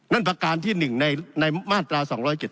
ประการที่๑ในมาตรา๒๗๒